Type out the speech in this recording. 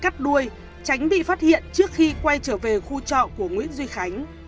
tránh bị phát hiện trước khi quay trở về khu trọ của nguyễn duy khánh